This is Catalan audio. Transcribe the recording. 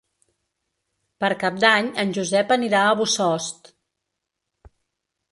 Per Cap d'Any en Josep anirà a Bossòst.